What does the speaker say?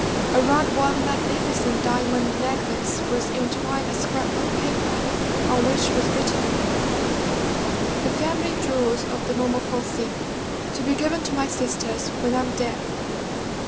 Around one magnificent diamond necklace was entwined a scrap of paper, on which was written: "The family jewels of the Montmorencis. To be given to my sisters when I am dead."